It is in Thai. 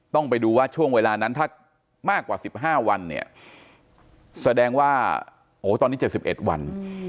ต้องไปดูว่าช่วงเวลานั้นถ้ามากกว่า๑๕วันเนี่ยแสดงว่าโอ้ตอนนี้๗๑วัน